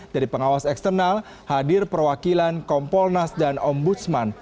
dari pengawas eksternal hadir perwakilan kompolnas dan ombudsman